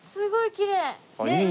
きれい！